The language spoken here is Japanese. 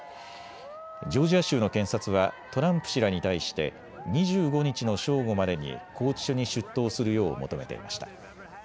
ジョージア州の検察はトランプ氏らに対して２５日の正午までに拘置所に出頭するよう求めていました。